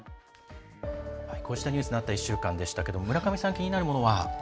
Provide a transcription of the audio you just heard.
こうしたニュースのあった１週間でしたけれども村上さん、気になるものは？